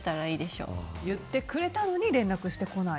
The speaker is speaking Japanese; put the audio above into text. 言ってくれたのに連絡してこない。